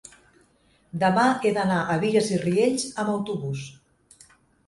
demà he d'anar a Bigues i Riells amb autobús.